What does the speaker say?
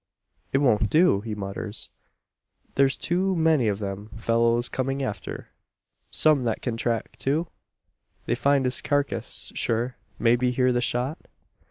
"It won't do!" he mutters. "There's too many of them fellows coming after some that can track, too? They'd find his carcase, sure, maybe hear the shot?